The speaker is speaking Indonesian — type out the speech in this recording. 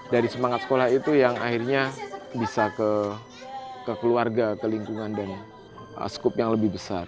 dari semangat sekolah itu yang akhirnya bisa ke keluarga ke lingkungan dan skup yang lebih besar